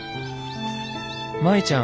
「舞ちゃん